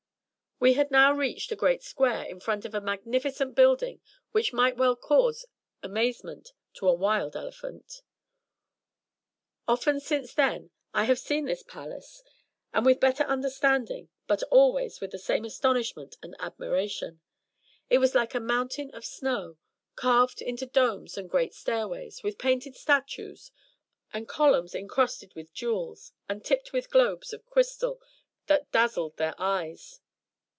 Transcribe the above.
We had now reached a great square in front of a magnificent building which might well cause amazement to a "wild" elephant. 159 MY BOOK HOUSE Often since then I have seen this Palace, and with better under standing, but always with the same astonishment and admiration. It was like a mountain of snow, carved into domes and great stairways, with painted statues, and columns encrusted with jewels, and tipped with globes of crystal that dazzled their eyes.